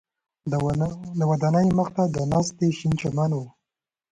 د ودانیو مخ ته د ناستي شین چمن و.